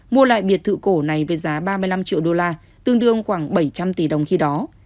mua lại biệt thự cổ này với giá ba mươi năm triệu đô la tương đương khoảng bảy trăm linh tỷ đồng khi đó